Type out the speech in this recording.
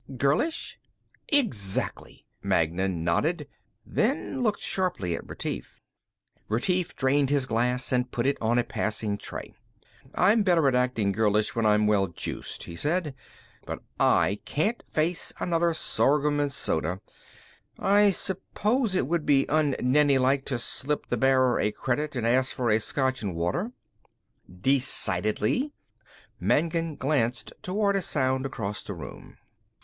"Girlish?" "Exactly." Magnan nodded, then looked sharply at Retief. Retief drained his glass and put it on a passing tray. "I'm better at acting girlish when I'm well juiced," he said. "But I can't face another sorghum and soda. I suppose it would be un Nenni like to slip the bearer a credit and ask for a Scotch and water." "Decidedly." Magnan glanced toward a sound across the room.